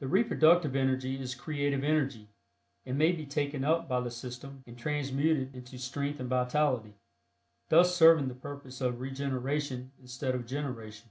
The reproductive energy is creative energy, and may be taken up by the system and transmuted into strength and vitality, thus serving the purpose of regeneration instead of generation.